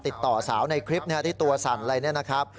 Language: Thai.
ติดต่อสาวในคลิปที่ตัวสั่นอะไรนะครับ